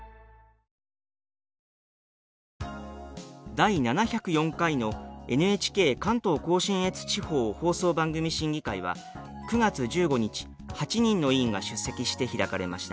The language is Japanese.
第７０４回のＮＨＫ関東甲信越地方放送番組審議会は９月１５日８人の委員が出席して開かれました。